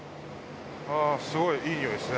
すごいいい匂いですね。